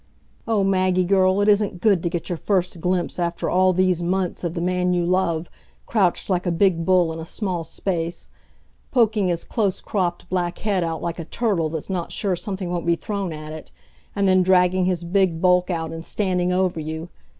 Oh, Maggie girl, it isn't good to get your first glimpse after all these months of the man you love crouched like a big bull in a small space, poking his close cropped black head out like a turtle that's not sure something won't be thrown at it, and then dragging his big bulk out and standing over you.